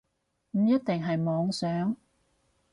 唔一定係妄想